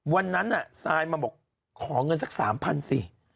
วันนั้นซายมาบอกขอเงินสัก๓๐๐สิ